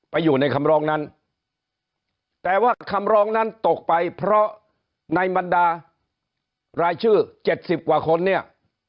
อยู่ในคำร้องนั้นแต่ว่าคำร้องนั้นตกไปเพราะในบรรดารายชื่อ๗๐กว่าคนเนี่ย